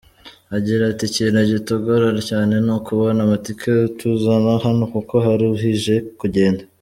Agira ati “Ikintu kitugora cyane ni ukubona amatike atuzana hano kuko haruhije kugenda.